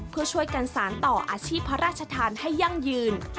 เพื่อช่วยกันสารต่ออาชีพพระราชทานให้ยั่งยืน